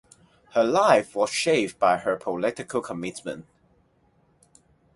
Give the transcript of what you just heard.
Her life was shaped by her political commitment.